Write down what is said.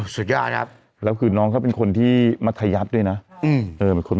สุดยอด๑๕ล้านครับวันเกิดน้องกลัฟขนาดบูธครับ